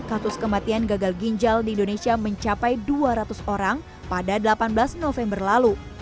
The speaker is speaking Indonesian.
kasus kematian gagal ginjal di indonesia mencapai dua ratus orang pada delapan belas november lalu